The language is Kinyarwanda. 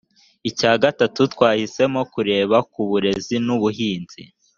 icya gatatu twahisemo kureba kuburezi n’ubuhinzi